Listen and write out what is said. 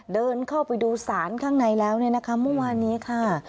เดินเข้าไปดูสารข้างในแล้วเนี่ยนะคะเมื่อวานนี้ค่ะ